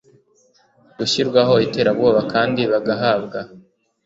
gushyirwaho iterabwoba kandi bagahabwa